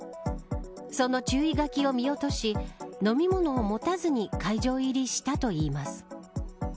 その注意書きを見落とし飲み物を持たずに会場入りしたといいます。